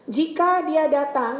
jika dia datang